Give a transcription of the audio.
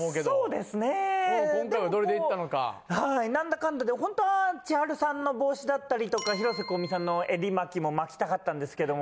でもはい何だかんだでほんとは千春さんの帽子だったりとか広瀬香美さんの襟巻きも巻きたかったんですけども。